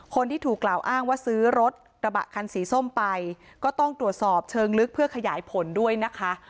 คนที่ถูกกล่าวอ้างว่าซื้อรถกระบะคันสีส้มไปก็ต้องตรวจสอบเชิงลึกเพื่อขยายผลด้วยนะคะ